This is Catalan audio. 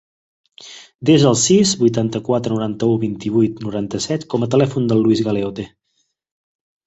Desa el sis, vuitanta-quatre, noranta-u, vint-i-vuit, noranta-set com a telèfon del Luis Galeote.